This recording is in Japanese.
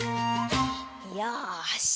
よし！